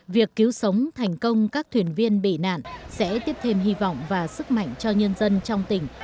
việc cứu sống thành công các thuyền viên bị nạn sẽ tiếp thêm hy vọng và sức mạnh cho nhân dân trong tỉnh